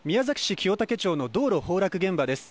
清武町の道路崩落現場です。